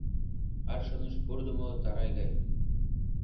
Аршыныш пурыдымо тарай гай.